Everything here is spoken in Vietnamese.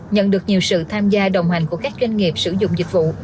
nhận được nhiều sự tham gia đồng hành của các doanh nghiệp sử dụng dịch vụ